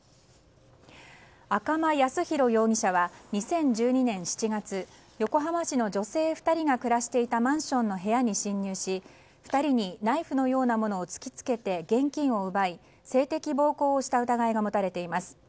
赤間靖浩容疑者は２０１２年７月横浜市の女性２人が暮らしていたマンションの部屋に侵入し２人にナイフのようなものを突きつけて現金を奪い性的暴行をした疑いが持たれています。